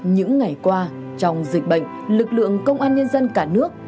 những ngày qua trong dịch bệnh lực lượng công an nhân dân cả nước